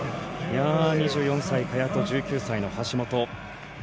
２４歳、萱と１９歳の橋本。